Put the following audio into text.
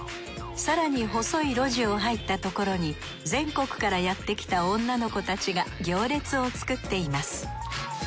更に細い路地を入ったところに全国からやってきた女の子たちが行列を作っています。